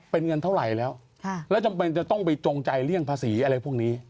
เป็นเงินเท่าไหร่แล้วแล้วจำเป็นจะต้องไปจงใจเลี่ยงภาษีอะไรพวกนี้